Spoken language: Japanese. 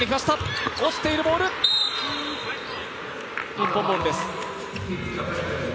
日本ボールです。